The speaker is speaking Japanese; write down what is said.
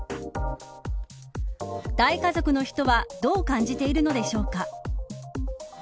大家族の人はどう感じているのでしょうか。